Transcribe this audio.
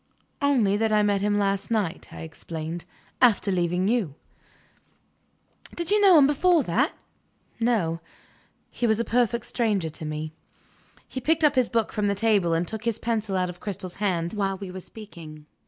"Only that I met him last night," I explained, "after leaving you." "Did you know him before that?" "No. He was a perfect stranger to me." He picked up his book from the table, and took his pencil out of Cristel's hand, while we were speaking.